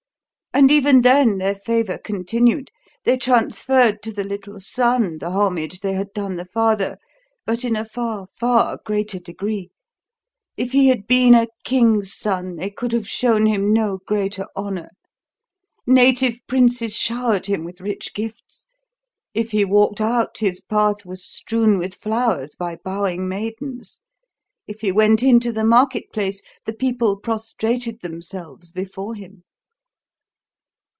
And even then their favour continued. They transferred to the little son the homage they had done the father, but in a far, far greater degree. If he had been a king's son they could have shown him no greater honour. Native princes showered him with rich gifts; if he walked out, his path was strewn with flowers by bowing maidens; if he went into the market place, the people prostrated themselves before him.